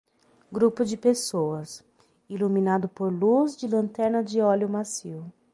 Grupo de pessoas, iluminado por luz de lanterna de óleo macio.